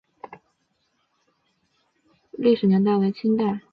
巍焕楼的历史年代为清代。